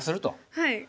はい。